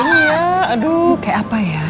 iya aduh kayak apa ya